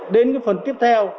đến cái phần tiếp theo